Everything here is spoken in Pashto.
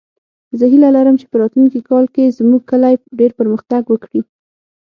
زه هیله لرم چې په راتلونکې کال کې زموږ کلی ډېر پرمختګ وکړي